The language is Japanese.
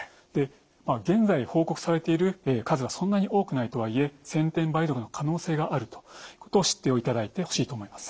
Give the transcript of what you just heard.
現在報告されている数はそんなに多くないとはいえ先天梅毒の可能性があることを知っていただいてほしいと思います。